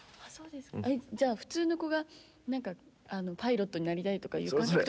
じゃあ普通の子がパイロットになりたいとかいう感覚と。